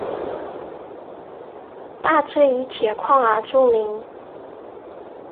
大冶以铁矿而著名。